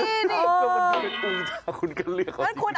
ก็มันไม่เป็นปืนถ้าคุณก็เลือกเอาที่นี่